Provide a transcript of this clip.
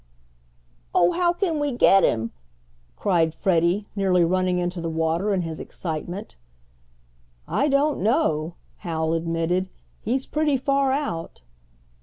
"Oh, how can we get him?" cried Freddie, nearly running into the water in his excitement. "I don't know," Hal admitted. "He's pretty far out."